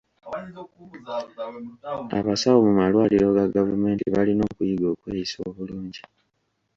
Abasawo mu malwaliro ga gavumenti balina okuyiga okweyisa obulungi.